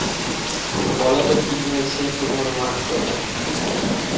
বলো তো কী হয়েছে, শুধু অনুমান করে।